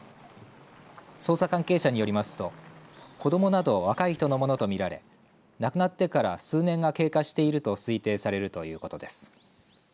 捜査関係者によりますと子どもなど若い人のものと見られ亡くなってから数年が経過していると推定されるということです。